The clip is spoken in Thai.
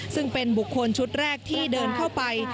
ซึ่งเป็นบุคคลชุดแรกที่เดินเข้าไป